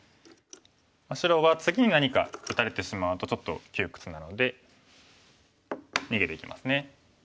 白は次に何か打たれてしまうとちょっと窮屈なので逃げていきますね。